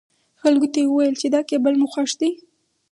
خلکو ته يې ويل چې دا کېبل مو خوښ دی.